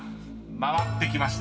回ってきました］